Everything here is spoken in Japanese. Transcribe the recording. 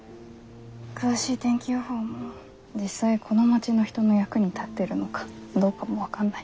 詳しい天気予報も実際この町の人の役に立ってるのかどうかも分かんない。